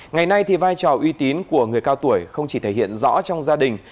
ngày nay thì vai trò uy tín của người cao tuổi không chỉ thể hiện rõ trong gia đình